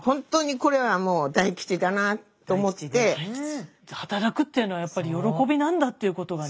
だから働くっていうのはやっぱり喜びなんだっていうことがね。